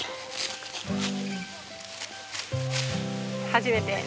初めて。